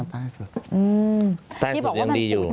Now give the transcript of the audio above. ใต้สุดยังดีอยู่